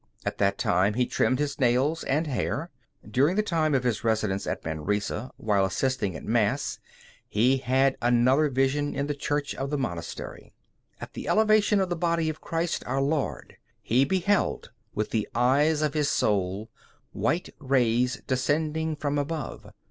At that time he trimmed his nails and hair. During the time of his residence at Manresa, while assisting at Mass, he had another vision in the church of the monastery. At the elevation of the body of Christ Our Lord he beheld, with the eyes of his soul, white rays descending from above.